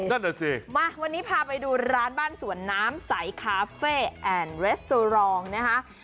นั่นแหละสิมาวันนี้พาไปดูร้านบ้านสวนน้ำสายคาเฟ่แอนด์เวสเตอรอรองนะครับ